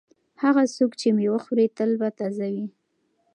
هغه څوک چې مېوه خوري تل به تازه وي.